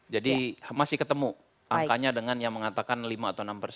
jadi masih ketemu angkanya dengan yang mengatakan lima atau enam